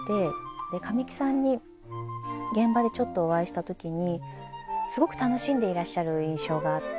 で神木さんに現場でちょっとお会いした時にすごく楽しんでいらっしゃる印象があって。